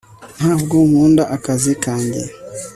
ntabwo nkunda akazi kanjye